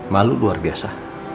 malu luar biasa